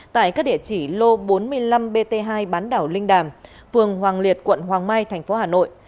tại các địa chỉ lô bốn mươi năm bt hai bán đảo linh đàm phường hoàng liệt quận hoàng mai thành phố hà nội